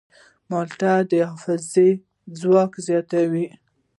مالټه د حافظې ځواک زیاتوي.